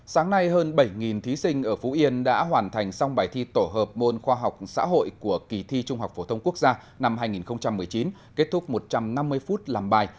sáng nay hơn bảy thí sinh ở phú yên đã hoàn thành xong bài thi tổ hợp môn khoa học xã hội của kỳ thi trung học phổ thông quốc gia năm hai nghìn một mươi chín kết thúc một trăm năm mươi phút làm bài